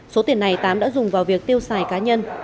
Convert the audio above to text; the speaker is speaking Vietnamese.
số tiền này tám đã dùng vào việc tiêu xài cá nhân